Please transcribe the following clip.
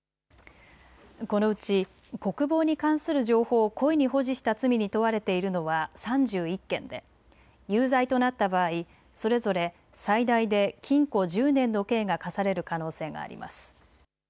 このうち国防に関する情報を故意に保持した罪に問われているのは３１件で有罪となった場合、それぞれ最大で禁錮１０年の刑が科される可能性があります。